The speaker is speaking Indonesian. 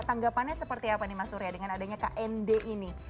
tanggapannya seperti apa nih mas surya dengan adanya knd ini